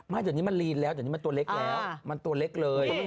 ไม่เดี๋ยวนี้มันลีนแล้วเดี๋ยวนี้มันตัวเล็กแล้วมันตัวเล็กเลย